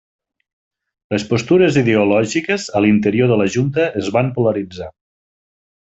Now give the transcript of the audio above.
Les postures ideològiques a l'interior de la Junta es van polaritzar.